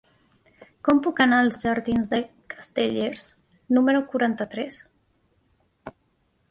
Com puc anar als jardins dels Castellers número quaranta-tres?